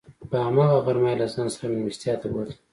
په هماغه غرمه یې له ځان سره میلمستیا ته بوتلم.